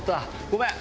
ごめん。